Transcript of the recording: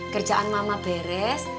kerjaan mama beres